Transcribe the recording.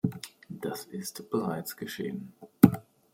Das ist bereits geschehen.